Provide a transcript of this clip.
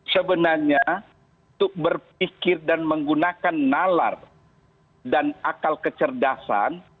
sebenarnya untuk berpikir dan menggunakan nalar dan akal kecerdasan